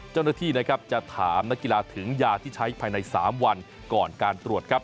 เจ้าหน้าที่นะครับจะถามนักกีฬาถึงยาที่ใช้ภายใน๓วันก่อนการตรวจครับ